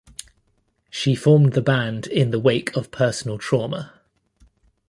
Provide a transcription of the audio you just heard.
She formed the band in the wake of personal trauma.